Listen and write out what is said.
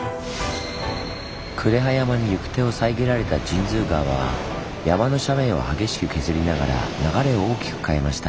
呉羽山に行く手を遮られた神通川は山の斜面を激しく削りながら流れを大きく変えました。